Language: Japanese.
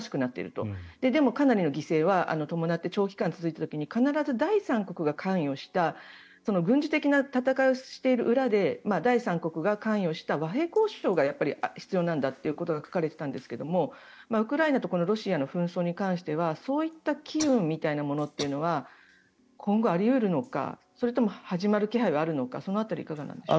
ただ、かなりの犠牲を伴って長期間続いた時に必ず第三国が関与した軍事的な戦いをしている裏で第三国が関与した和平交渉が必要なんだということが書かれていたんですがウクライナとロシアの紛争に関してはそういった機運みたいなものは今後あり得るのかそれとも始まる気配があるのかその辺り、いかがなんでしょう。